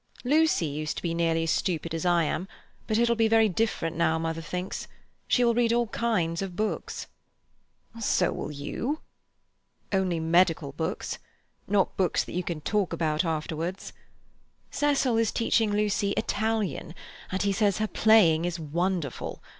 "Lucy used to be nearly as stupid as I am, but it'll be very different now, mother thinks. She will read all kinds of books." "So will you." "Only medical books. Not books that you can talk about afterwards. Cecil is teaching Lucy Italian, and he says her playing is wonderful.